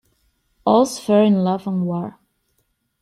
All's fair in love and war.